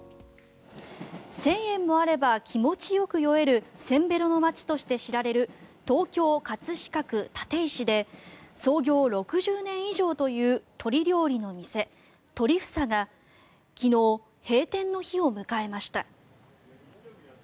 １０００円もあれば気持ちよく酔えるせんべろの街として知られる東京・葛飾区立石で創業６０年以上という鶏料理の店鳥房が昨日、閉店の日を迎えました。